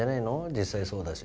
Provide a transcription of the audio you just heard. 実際そうだし。